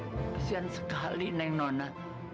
kesian sekali neng nona